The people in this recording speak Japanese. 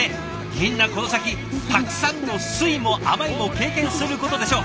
みんなこの先たくさんの酸いも甘いも経験することでしょう。